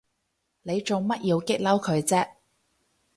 你做乜要激嬲佢啫？